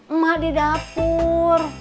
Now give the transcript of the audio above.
emak di dapur